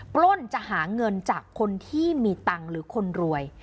ปล้นจะหาเงินจากคนที่มีตังค์หรือคนรวย